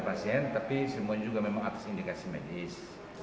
pasien tapi semuanya juga memang atas indikasi medis